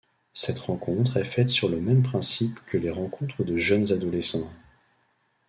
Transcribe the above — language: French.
Cette rencontre est faite sur le même principe que les rencontres de jeunes adolescents.